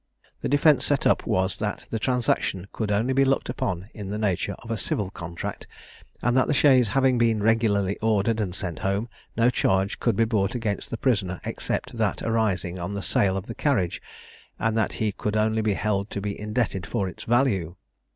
The defence set up was that the transaction could only be looked upon in the nature of a civil contract, and that the chaise having been regularly ordered and sent home, no charge could be brought against the prisoner except that arising on the sale of the carriage, and that he could only be held to be indebted for its value.